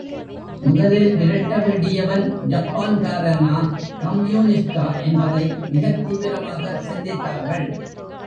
முதலில் விரட்ட வேண்டியவன் ஜப்பான்காரனா, கம்யூனிஸ்டா என்பதை மிகத் தீவிரமாக சிந்தித்தார்கள்.